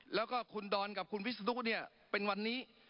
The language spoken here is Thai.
แล้วก็คุณดอนกับคุณวิศนุเนี่ยเป็นวันนี้